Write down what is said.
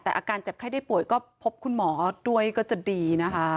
แต่อาการเจ็บไข้ได้ป่วยก็พบคุณหมอด้วยก็จะดีนะคะ